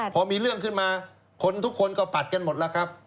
พอมีเรื่องขึ้นมาคนทุกคนก็ปัดกันหมดแล้วครับ